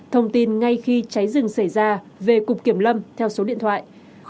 thông tin ngay khi cháy rừng xảy ra về cục kiểm lâm theo số điện thoại chín trăm tám mươi sáu sáu trăm sáu mươi tám